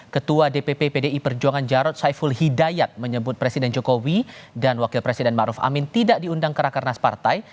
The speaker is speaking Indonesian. ketua dpp pdi perjuangan jarod saiful hidayat menyebut presiden jokowi dan wakil presiden maruf amin tidak diundang ke rakernas partai